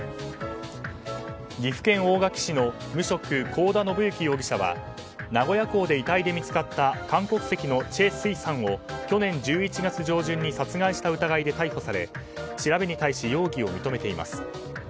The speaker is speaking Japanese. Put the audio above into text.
岐阜県大垣市の無職幸田信之容疑者は名古屋港で遺体で見つかった韓国籍のチェ・スイさんを去年１１月上旬に殺害した疑いで逮捕され調べに対し容疑を認めています。